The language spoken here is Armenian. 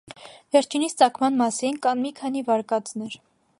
Վերջինիս ծագման մասին կան մի քանի վարկածներ։